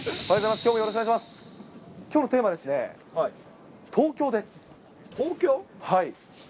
きょうのテーマですね、東京です。